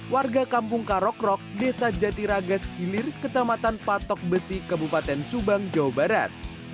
warga kampung karokrok desa jatiragas hilir kecamatan patok besi kabupaten subang jawa barat